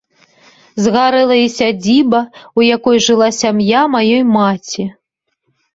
Згарэла і сядзіба, у якой жыла сям'я маёй маці.